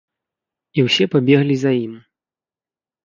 І ўсе пабеглі за ім.